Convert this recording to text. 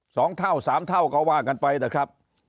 สองเท่าสามเท่าก็ว่ากันไปนะครับ